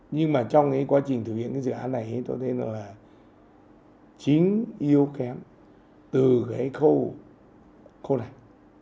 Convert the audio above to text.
nhưng mà trong cái quá trình thực hiện cái dự án này tôi thấy là chín yêu kém từ cái khâu này